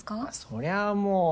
そりゃあもう。